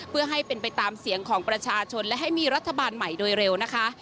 เพื่อให้เป็นไปตามเสียงของประชาชนและให้มีรัฐบาลใหม่โดยเร็วนะคะ